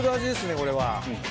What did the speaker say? これは。